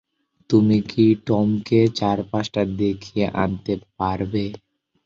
তুমি কি টমকে চারপাশটা দেখিয়ে আনতে পারবে?